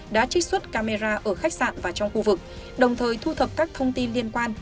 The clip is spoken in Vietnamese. đã trích xuất camera ở khách sạn và trong khu vực đồng thời thu thập các thông tin liên quan